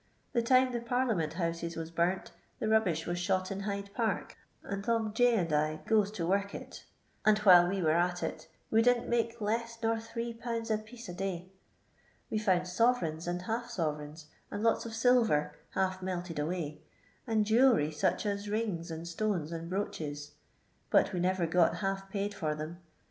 The time the Parlia ment Hoosea waa burnt, the mbbish waa shot in Hyde Park, and Long J — and I goes to work it, and while we were at it, we didn't make less nor three pounds apiece a day ; we found sovereigns and half sovereigns, and lots of silver half melted away, and jewellery, such as rings, and stones, and brooches; but we never got half paid for them.